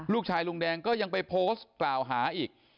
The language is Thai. ลุงแดงก็ยังไปโพสต์กล่าวหาอีก